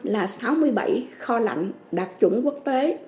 và sáu mươi bảy kho lạnh đạt chủng quốc tế